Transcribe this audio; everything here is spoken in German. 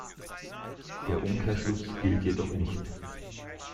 Der Umkehrschluss gilt jedoch nicht.